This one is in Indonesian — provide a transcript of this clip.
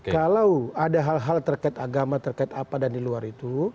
kalau ada hal hal terkait agama terkait apa dan di luar itu